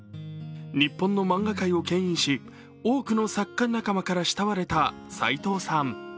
日本の漫画界をけん引し、多くの作家仲間から慕われたさいとうさん。